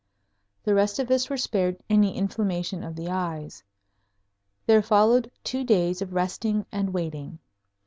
The rest of us were spared any inflammation of the eyes. There followed two days of resting and waiting.